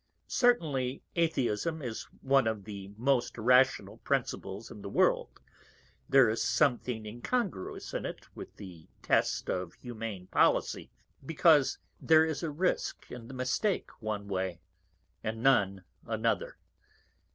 _Certainly Atheism is one of the most Irrational Principles in the World; there is something incongruous in it with the Test of Humane Policy, because there is a Risque in the Mistake one way, and none another.